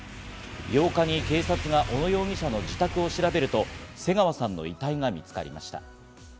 ８日に警察が小野容疑者の自宅を調べると瀬川さんの遺体が見つかりました。